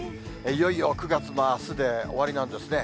いよいよ９月もあすで終わりなんですね。